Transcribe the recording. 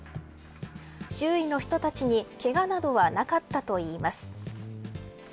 周囲の人たちにけがなどはなかったといいます。